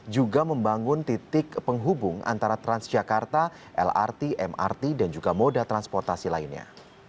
juga membangun titik penghubung antara transjakarta lrt mrt dan juga moda transportasi lainnya